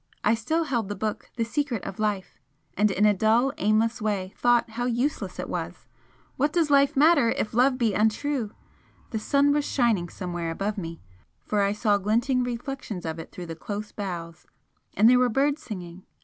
I still held the book 'The Secret of Life' and in a dull, aimless way thought how useless it was! What does Life matter if Love be untrue? The sun was shining somewhere above me, for I saw glinting reflections of it through the close boughs, and there were birds singing.